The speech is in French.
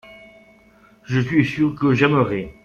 Je suis sûr que j’aimerais.